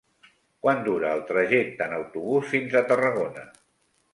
Quant dura el trajecte en autobús fins a Tarragona?